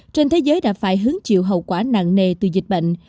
trên thế giới đã phải hứng chịu hậu quả nặng nề từ dịch bệnh